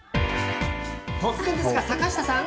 突然ですが、坂下さん！